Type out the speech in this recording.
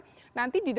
nah nanti di dalamnya